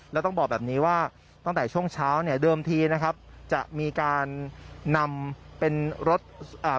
แล้วต้องบอกแบบนี้ว่าตั้งแต่ช่วงเช้าเนี่ยเดิมทีนะครับจะมีการนำเป็นรถอ่า